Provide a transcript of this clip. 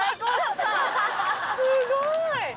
すごい！